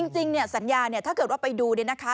จริงสัญญาถ้าเกิดว่าไปดูนะคะ